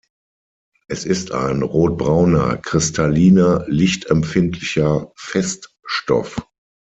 Es ist ein rotbrauner, kristalliner, lichtempfindlicher Feststoff.